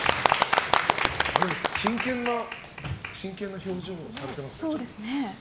真剣な表情をされていますね。